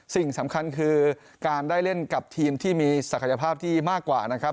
สิ่งสำคัญคือการได้เล่นกับทีมที่มีศักยภาพที่มากกว่านะครับ